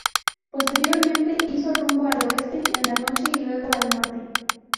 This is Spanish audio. Posteriormente, hizo rumbo al oeste en la noche y luego al norte.